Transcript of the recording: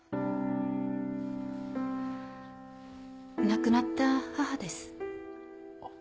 亡くなった母です。